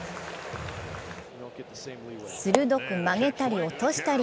鋭く曲げたり落としたり。